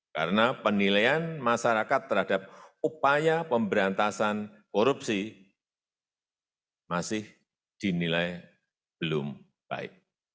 karena penilaian masyarakat terhadap upaya pemberantasan korupsi masih dinilai belum baik